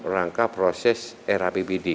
rangka proses rapbd